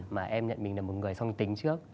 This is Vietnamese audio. mà em nhận mình là một người song tính trước